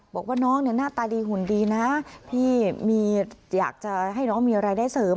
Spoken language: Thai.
บอกว่าน้องเนี่ยหน้าตาดีหุ่นดีนะพี่มีอยากจะให้น้องมีรายได้เสริม